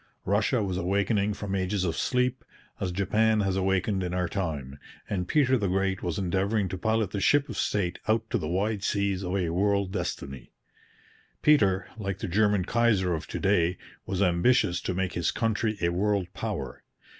Russia was awakening from ages of sleep, as Japan has awakened in our time, and Peter the Great was endeavouring to pilot the ship of state out to the wide seas of a world destiny. Peter, like the German Kaiser of to day, was ambitious to make his country a world power.